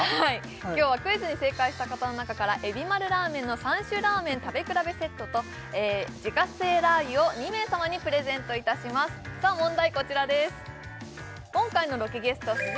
今日はクイズに正解した方の中から海老丸らーめんの３種らーめん食べ比べセットと自家製ラー油を２名様にプレゼントいたしますさあ問題